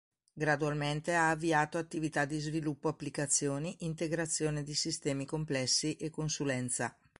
Gradualmente ha avviato attività di sviluppo applicazioni, integrazione di sistemi complessi e consulenza.